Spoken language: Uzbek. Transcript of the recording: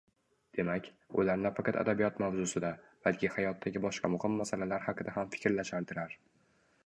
Demak, ular nafaqat adabiyot mavzusida, balki hayotdagi boshqa muhim masalalar haqida ham fikrlashardilar